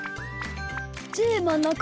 じーまんなか？